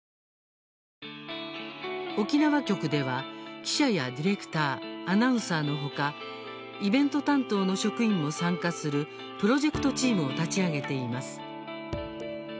沖縄局では、記者やディレクターアナウンサーのほかイベント担当の職員も参加するプロジェクトチームを立ち上げています。